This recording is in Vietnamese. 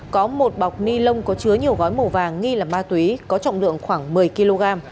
có một bọc ni lông có chứa nhiều gói màu vàng nghi là ma túy có trọng lượng khoảng một mươi kg